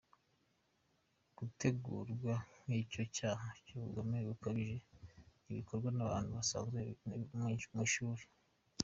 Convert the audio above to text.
Gutegurwa kw’icyo cyaha cy’ubugome bukabije ntibikorwa n’abantu b’abaswa mu ishuri.